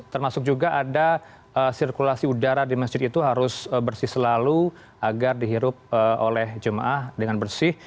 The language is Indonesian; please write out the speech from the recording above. termasuk juga ada sirkulasi udara di masjid itu harus bersih selalu agar dihirup oleh jemaah dengan bersih